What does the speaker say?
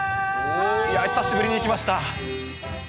久しぶりにいきました。